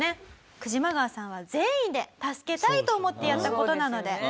クジマガワさんは善意で助けたいと思ってやった事なので。